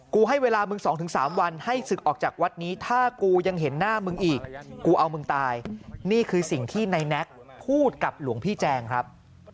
ให้เวลามึง๒๓วันให้ศึกออกจากวัดนี้ถ้ากูยังเห็นหน้ามึงอีกกูเอามึงตายนี่คือสิ่งที่ในแน็กพูดกับหลวงพี่แจงครับ